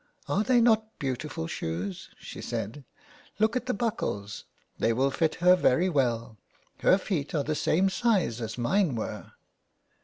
Are they not beautiful shoes ?'' she said. '* Look at the buckles. They will fit her very well ; her feet are the same size as mine were."